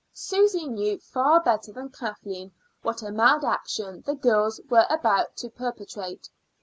Susy knew far better than Kathleen what a mad action the girls were about to perpetrate.